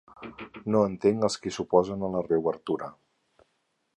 No entenc els qui s’oposen a la reobertura.